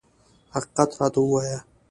حقیقت راته ووایه.